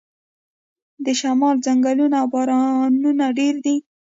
د شمال ځنګلونه او بارانونه ډیر دي.